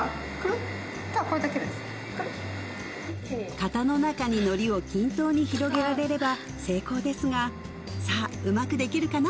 型の中にのりを均等に広げられれば成功ですがさあうまくできるかな？